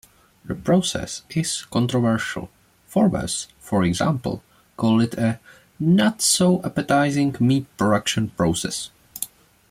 The process is controversial; "Forbes", for example, called it a "not-so-appetizing meat production process".